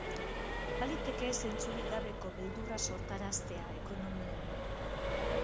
Baliteke zentzurik gabeko beldurra sortaraztea ekonomian.